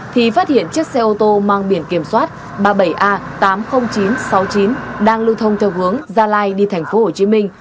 thì phát hiện chiếc xe ô tô mang biển kiểm soát ba mươi bảy a tám mươi nghìn chín trăm sáu mươi chín đang lưu thông theo hướng gia lai đi thành phố hồ chí minh